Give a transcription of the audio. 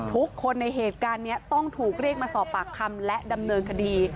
ทุกคนในเหตุการณ์นี้ต้องถูกเรียกมาสอบปากคำและดำเนินคดี